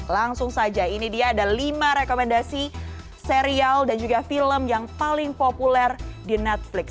langsung saja ini dia ada lima rekomendasi serial dan juga film yang paling populer di netflix